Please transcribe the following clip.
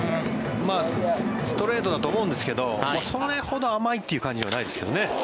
ストレートだと思うんですけどそれほど甘いという感じはないですけどね。